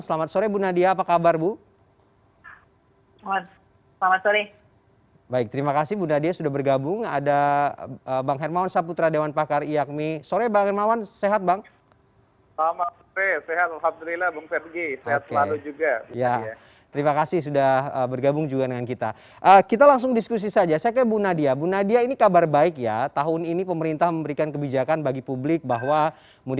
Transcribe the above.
selamat sore bu nadia apa kabar bu